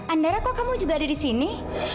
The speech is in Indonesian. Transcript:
andara kok kamu juga ada di sini